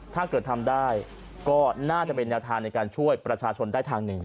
ถ้าเกิดทำได้ก็น่าจะเป็นแนวทางในการช่วยประชาชนได้ทางหนึ่ง